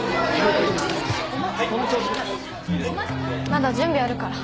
まだ準備あるから。